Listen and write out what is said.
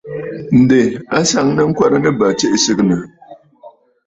Ǹdè a nsaŋnə ŋkwɛrə nɨ̂ bə̂ tsiʼì sɨgɨ̀nə̀.